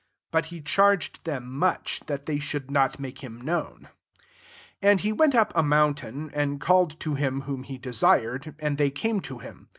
^ 12 B^iit he charged them much, that they should not make him known* 13 Akd he went up a moun tain, and called to him whom he desired; and they came to him.